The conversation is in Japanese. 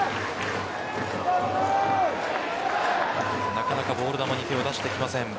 なかなかボール球に手を出してきません。